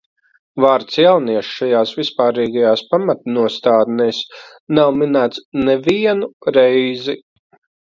"Vārds "jaunieši" šajās vispārīgajās pamatnostādnēs nav minēts nevienu reizi."